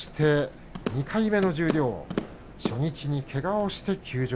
２回目の十両初日にけがをして休場。